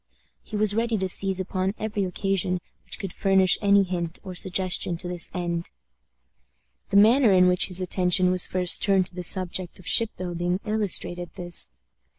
He was ready to seize upon every occasion which could furnish any hint or suggestion to this end. The manner in which his attention was first turned to the subject of ship building illustrated this.